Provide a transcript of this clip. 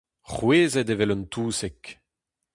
C'hwezet evel un touseg.